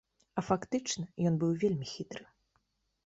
А фактычна ён быў вельмі хітры.